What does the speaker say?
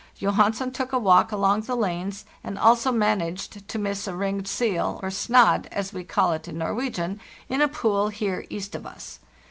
Johansen took a walk alon lanes, and also managed to miss a ringed seal, or 'snad,' as we call it in Norwegian, in a pool here east of us.